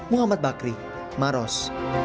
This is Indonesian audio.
muhammad bakri maros